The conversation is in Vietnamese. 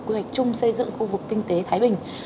quy hoạch chung xây dựng khu vực kinh tế thái bình